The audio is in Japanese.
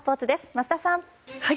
桝田さん。